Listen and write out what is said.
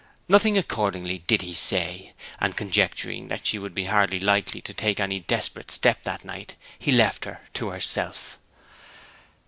Nothing, accordingly, did he say; and conjecturing that she would be hardly likely to take any desperate step that night, he left her to herself.